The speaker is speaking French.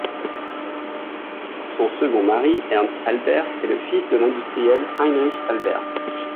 Son second mari, Ernst Albert, est le fils de l'industriel Heinrich Albert.